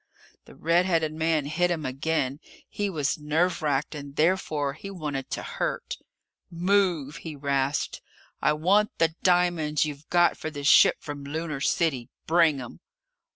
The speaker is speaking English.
The red headed man hit him again. He was nerve racked, and, therefore, he wanted to hurt. "Move!" he rasped. "I want the diamonds you've got for the ship from Lunar City! Bring 'em!"